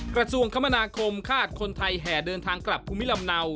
กระทรวงคมนาคมคาดคนไทยแห่เดินทางกลับภูมิลำเนา